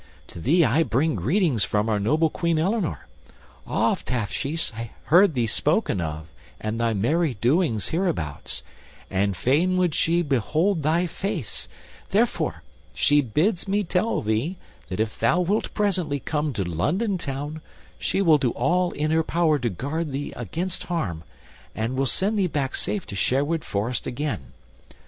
To thee I bring greetings from our noble Queen Eleanor. Oft hath she heard thee spoken of and thy merry doings hereabouts, and fain would she behold thy face; therefore she bids me tell thee that if thou wilt presently come to London Town, she will do all in her power to guard thee against harm, and will send thee back safe to Sherwood Forest again.